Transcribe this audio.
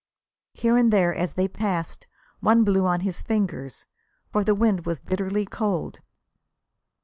Here and there, as they passed, one blew on his fingers, for the wind was bitterly cold.